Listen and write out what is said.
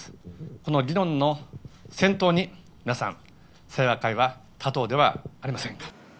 この議論の先頭に皆さん、清和会は立とうではありませんか。